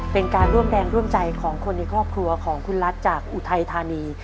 เป็นการร่วมแรงร่วมใจของคนในครอบครัวของคุณรัฐจากอุทัยธานี